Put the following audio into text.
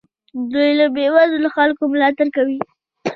دوی له بې وزلو خلکو ملاتړ کوي.